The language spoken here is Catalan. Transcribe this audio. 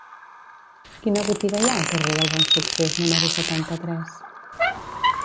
Quina botiga hi ha al carrer del Bonsuccés número setanta-tres?